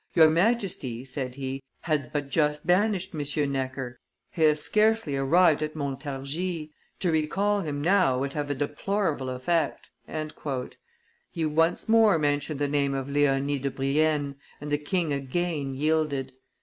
"Your Majesty," said he, "has but just banished M. Necker he has scarcely arrived at Montargis; to recall him now would have a deplorable effect." He once more mentioned the name of Leonie de Brienne, and the king again yielded.